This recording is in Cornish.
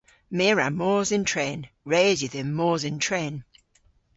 My a wra mos yn tren. Res yw dhymm mos yn tren.